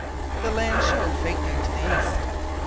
The land showed faintly to the east.